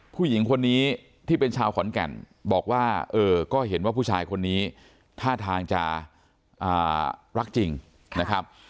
ผู้หญิงคนนี้ที่เป็นชาวขอนแก่นบอกว่าเออก็เห็นว่าผู้ชายคนนี้ท่าทางจะรักจริงนะครับ